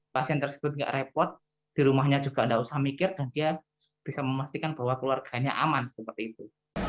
pasien tersebut nggak repot di rumahnya juga tidak usah mikir dan dia bisa memastikan bahwa keluarganya aman seperti itu